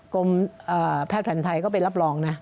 กรมแพทย์แผนไทยก็ไปรับรองนะ